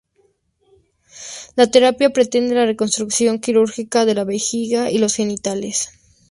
La terapia pretende la reconstrucción quirúrgica de la vejiga y los genitales.